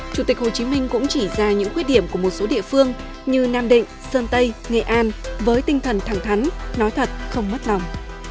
chủ tịch hồ chí minh cũng chỉ ra những khuyết điểm của một số địa phương như nam định sơn tây nghệ an với tinh thần thẳng thắn nói thật không mất lòng